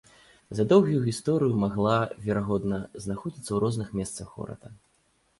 За доўгую гісторыю магла, верагодна, знаходзіцца ў розных месцах горада.